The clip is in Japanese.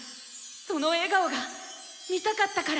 その笑顔が見たかったから！